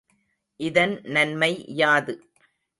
இதன் நன்மை யாது?